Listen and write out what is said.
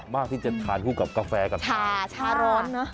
มากที่จะทานคู่กับกาแฟกับชาชาร้อนเนอะ